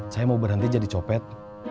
saya mau berhenti jadi copet